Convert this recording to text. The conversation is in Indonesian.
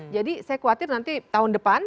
jadi saya khawatir nanti tahun depan